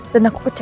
dan aku kecewa